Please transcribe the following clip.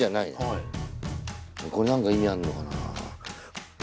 はいこれ何か意味あんのかな？